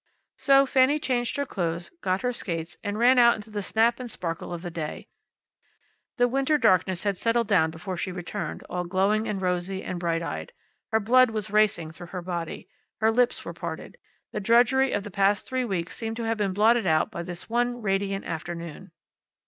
So Fanny changed her clothes, got her skates, and ran out into the snap and sparkle of the day. The winter darkness had settled down before she returned, all glowing and rosy, and bright eyed. Her blood was racing through her body. Her lips were parted. The drudgery of the past three weeks seemed to have been blotted out by this one radiant afternoon.